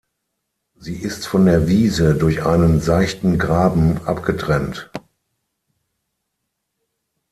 Sie ist von der Wiese durch einen seichten Graben abgetrennt.